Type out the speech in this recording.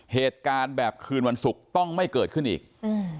เหตุการณ์แบบคืนวันศุกร์ต้องไม่เกิดขึ้นอีกอืม